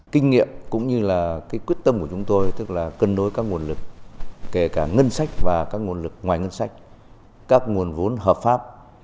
kinh nghiệm cũng như là quyết tâm của chúng tôi tức là cân đối các nguồn lực kể cả ngân sách và các nguồn lực ngoài ngân sách các nguồn vốn hợp pháp